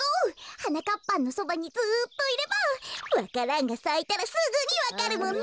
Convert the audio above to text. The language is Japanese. はなかっぱんのそばにずっといればわか蘭がさいたらすぐにわかるもんね。